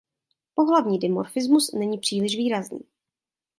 Pohlavní dimorfismus není příliš výrazný.